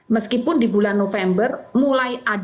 meskipun di bulan november mulai ada beberapa hal